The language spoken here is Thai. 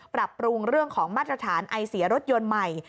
ปรับปรุงเรื่องของมาตรฐานไอเสียรถยนต์ใหม่